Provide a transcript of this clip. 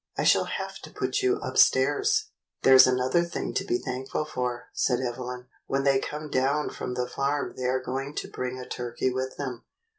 "I shall have to put you upstairs." "There's another thing to be thankful for," said Evelyn. "When they come down from the farm they are going to bring a turkey with them.